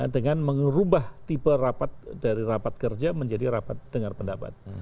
dengan mengubah tipe rapat dari rapat kerja menjadi rapat dengar pendapat